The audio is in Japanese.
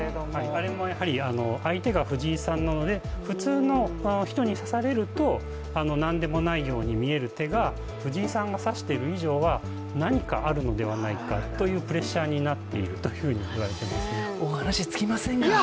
あれもやはり、相手が藤井さんなので普通の人に指されると何でもないように見える手が、藤井さんが指している以上は何かあるのではないかというプレッシャーになっていると言われていますねお話尽きませんが。